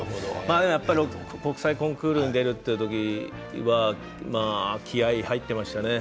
やっぱり国際コンクールに出る時というのは気合いが入っていましたね。